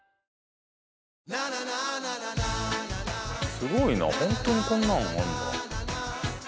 すごいなホントにこんなのがあんだ